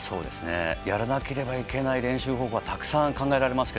やらなければいけない練習はたくさん考えられますが。